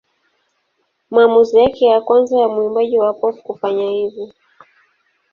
Maamuzi yake ya kwanza ya mwimbaji wa pop kufanya hivyo.